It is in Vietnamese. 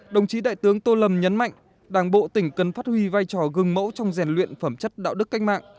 đồng chí đại tướng tô lâm nhấn mạnh đảng bộ tỉnh cần phát huy vai trò gương mẫu trong rèn luyện phẩm chất đạo đức cách mạng